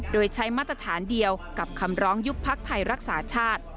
โดยใช้มาตรฐานเดียวกับคำร้องยุบพักไทยรักษาชาติ